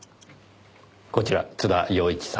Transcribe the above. こちら津田陽一さん。